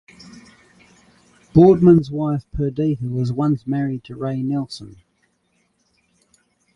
Boardman's wife, Perdita, was once married to Ray Nelson.